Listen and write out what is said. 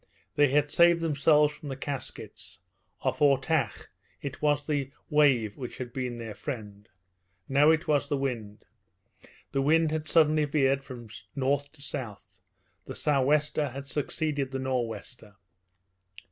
They had saved themselves from the Caskets. Off Ortach it was the wave which had been their friend. Now it was the wind. The wind had suddenly veered from north to south. The sou' wester had succeeded the nor' wester.